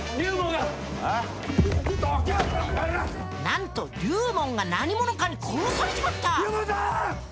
なんと龍門が何者かに殺されちまった！